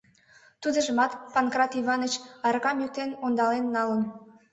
Тудыжымат Панкрат Иваныч аракам йӱктен ондален налын.